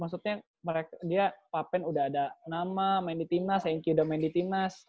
maksudnya dia pak pen udah ada nama main di teamnas hengki udah main di teamnas